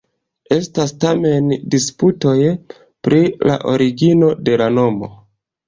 Estas tamen disputoj pri la origino de la nomo.